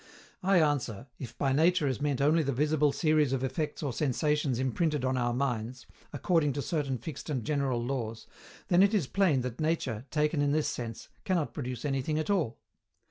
I answer, if by Nature is meant only the visible series of effects or sensations imprinted on our minds, according to certain fixed and general laws, then it is plain that Nature, taken in this sense, cannot produce anything at all.